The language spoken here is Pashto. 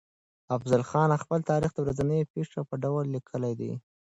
افضل خان خپل تاريخ د ورځنيو پېښو په ډول ليکلی دی.